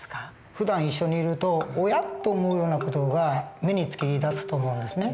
ふだん一緒にいるとおやっと思うような事が目に付きだすと思うんですね。